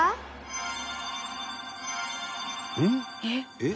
「えっ？」